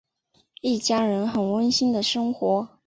一家人很温馨的生活。